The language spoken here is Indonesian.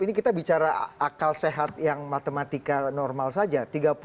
ini kita bicara akal sehat yang matematika normal saja